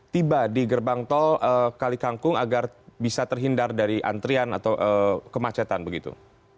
tiba di gerbang tol kali kangkung agar bisa terhindar dari antrian atau kemacetan begitu